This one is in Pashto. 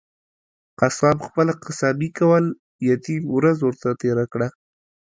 قصاب خپله قصابي کول ، يتيم ورځ ورته تيره کړه.